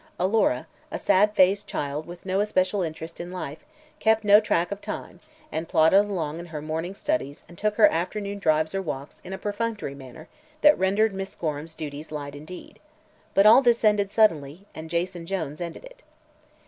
Alora, a sad faced child with no especial interest in life, kept no track of time and plodded along in her morning studies and took her afternoon drives or walks in a perfunctory manner that rendered Miss Gorham's duties light indeed. But all this ended suddenly, and Jason Jones ended it.